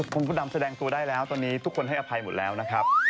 คุณพระดำแสดงตัวได้แล้วตอนนี้ทุกคนให้อภัยหมดแล้วนะครับ